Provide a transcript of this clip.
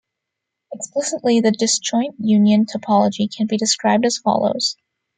Explicitly, the disjoint union topology can be described as follows.